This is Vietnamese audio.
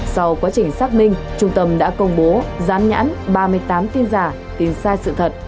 sau quá trình xác minh trung tâm đã công bố gián nhãn ba mươi tám tin giả tin sai sự thật